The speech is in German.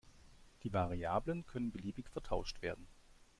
Die Variablen können beliebig vertauscht werden.